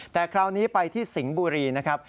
แต่คราวนี้ไปที่สิงห์บุรีนะครับ